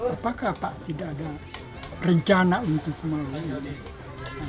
apakah pak tidak ada rencana untuk melakukan ini